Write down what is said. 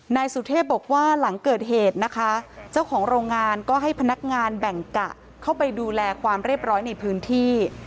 นายสุเทพบอกว่าหลังเกิดเหตุนะคะเจ้าของโรงงานก็ให้พนักงานแบ่งกะเข้าไปดูแลความเรียบร้อยในพื้นที่